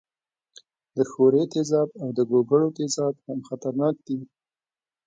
د ښورې تیزاب او د ګوګړو تیزاب هم خطرناک دي.